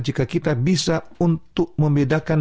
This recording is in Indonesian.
jika kita bisa untuk membedakan